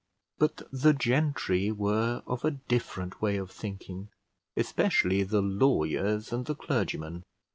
But the gentry were of a different way of thinking, especially the lawyers and the clergymen.